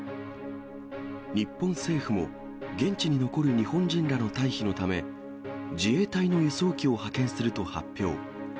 日本政府も、現地に残る日本人らの退避のため、自衛隊の輸送機を派遣すると発表。